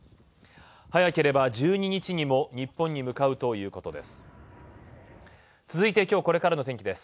早ければ１２日にも日本に向かうということです。